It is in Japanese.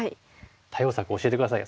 対応策教えて下さい。